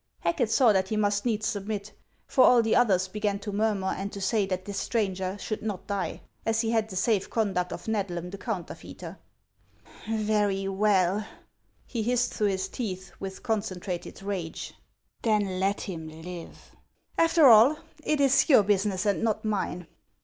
Hacket saw that he must needs submit ; for all the others began to murmur, and to say that this stranger should not die, as he had the safe conduct of Xedlam the counterfeiter. "Very well," he hissed through his teeth with concen trated rage ;" then let him live. After all, it is your business, and not mine."